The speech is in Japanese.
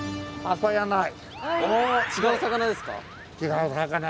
違う魚ですか？